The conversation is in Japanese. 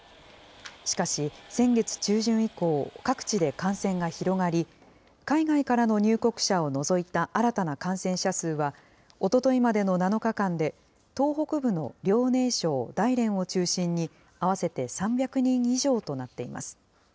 しかし、先月中旬以降、各地で感染が広がり、海外からの入国者を除いた新たな感染者数は、おとといまでの７日間で東北部の遼寧省大連を中心に、合わせて３００人以上となっています。